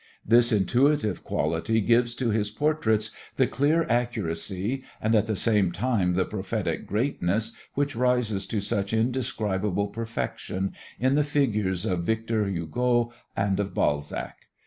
This intuitive quality gives to his portraits the clear accuracy and at the same time the prophetic greatness which rises to such indescribable perfection in the figures of Victor Hugo and of Balzac.